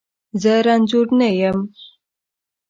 زه رنځور نه یم.